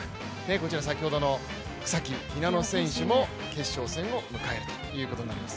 こちら先ほどの草木ひなの選手も決勝戦を迎えるということになります。